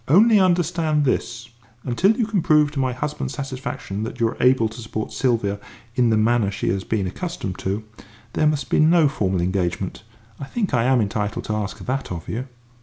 Only understand this until you can prove to my husband's satisfaction that you are able to support Sylvia in the manner she has been accustomed to, there must be no formal engagement. I think I am entitled to ask that of you."